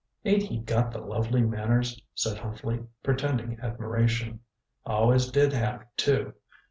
"Ain't he got the lovely manners," said Huntley, pretending admiration. "Always did have, too.